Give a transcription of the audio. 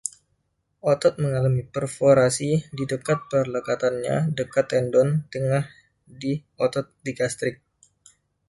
Otot mengalami perforasi di dekat perlekatannya, dekat tendon tengah di otot digastrik.